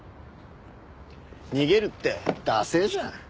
逃げるってダセエじゃん。